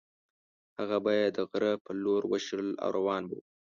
هغه به یې د غره په لور وشړل او روان به وو.